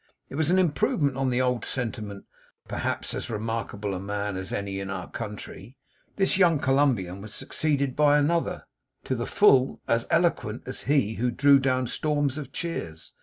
It was an improvement on the old sentiment: 'Perhaps as remarkable a man as any in our country.' This young Columbian was succeeded by another, to the full as eloquent as he, who drew down storms of cheers.